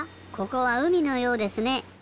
ここはうみのようですね。